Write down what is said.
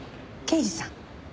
刑事さん？